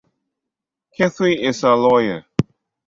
Kathy is a lawyer.